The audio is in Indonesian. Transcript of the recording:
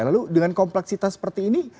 lalu dengan kompleksitas seperti ini